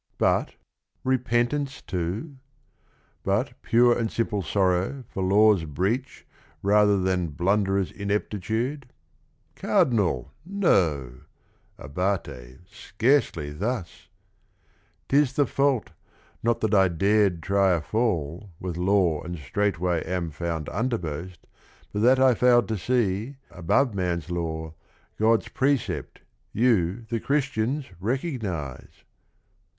"But, repentance too? But pure and simple sorrow for law's breach Rather than blunderer's ineptitude? Cardi nal, no ! Abate, scarcely thus I 'T is the fault, not that I dared try a fall With Law and straightway am found undermost, But that I failed to see, above man's law, God's precept you, the Christians, recognize?